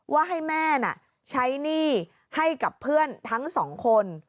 ว่าให้แม่น่ะใช้หนี้ให้กับเพื่อนทั้งสองคน